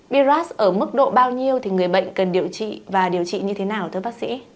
virus ở mức độ bao nhiêu thì người bệnh cần điều trị và điều trị như thế nào thưa bác sĩ